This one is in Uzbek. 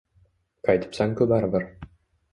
Qaytibsan-ku baribir